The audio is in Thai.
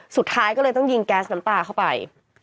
สุดท้ายก็เลยต้องยิงแก๊สน้ำตาเข้าไป